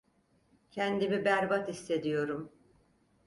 Kendimi berbat hissediyorum.